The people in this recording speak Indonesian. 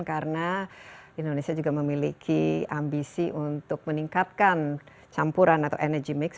karena indonesia juga memiliki ambisi untuk meningkatkan campuran atau energy mix